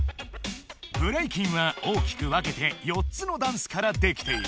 ブレイキンは大きく分けて４つのダンスからできている。